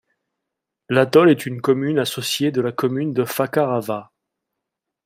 L'atoll est une commune associée de la commune de Fakarava.